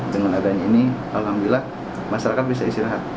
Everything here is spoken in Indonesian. dengan adanya ini alhamdulillah masyarakat bisa istirahat